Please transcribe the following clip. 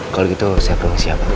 kalau gitu saya perlu siapa